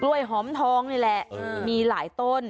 หอมทองนี่แหละมีหลายต้น